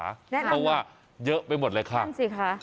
แน่นอนเหรอเพราะว่าเยอะไปหมดเลยค่ะนั่นสิค่ะ